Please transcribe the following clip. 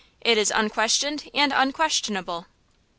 It is unquestioned and unquestionable!"